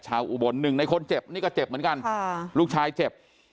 อุบลหนึ่งในคนเจ็บนี่ก็เจ็บเหมือนกันลูกชายเจ็บ